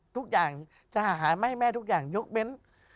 ทุกอย่างจะหามาให้แม่ทุกอย่างยกเว้น